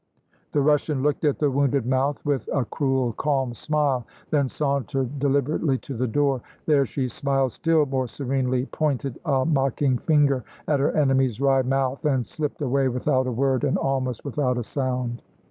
The Russian looked at the wounded mouth with a cruel, calm smile, then sauntered deliberately to the door. There she smiled still more serenely, pointed a mocking finger at her enemy's wry mouth, and slipped away without a word, and almost without a sound.